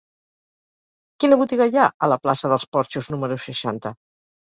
Quina botiga hi ha a la plaça dels Porxos número seixanta?